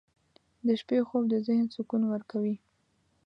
• د شپې خوب د ذهن سکون ورکوي.